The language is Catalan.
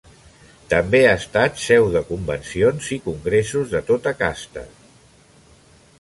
També ha estat seu de convencions i congressos de tota casta.